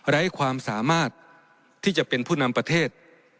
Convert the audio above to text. ไร้ความสามารถที่จะเป็นผู้นำประเทศ